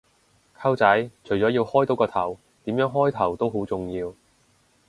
溝仔，除咗要開到個頭，點樣開頭都好重要